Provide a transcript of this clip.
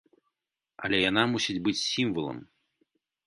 Але яна мусіць быць сімвалам.